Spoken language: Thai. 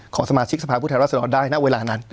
ของสมาชิกสภาพผู้แทนรัฐสนอดได้ณเวลานั้น